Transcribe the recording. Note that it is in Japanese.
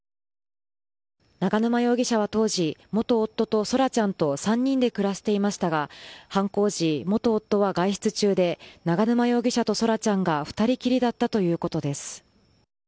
永沼容疑者は当時元夫と奏良ちゃんと３人で暮らしていましたが犯行時元夫は外出中で永沼容疑者と奏良ちゃんが２人きりだったということです。